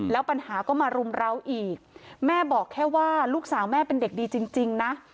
แล้วปัญหาก็มารุมเราอีกแม่บอกแค่ว่าลูกสาวแม่เป็นเด็กดีจริงนะ